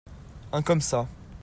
Un comme ça.